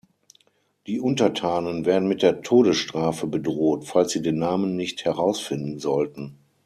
Die Untertanen werden mit der Todesstrafe bedroht, falls sie den Namen nicht herausfinden sollten.